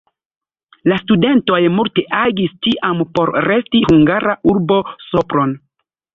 La studentoj multe agis tiam por resti hungara urbo Sopron.